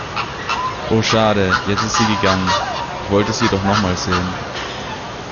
Oh schade, jetzt ist sie gegangen. Ich wollte sie doch nochmal sehen.